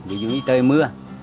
ví dụ trời mưa